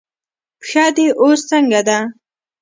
پښه دې اوس څنګه ده؟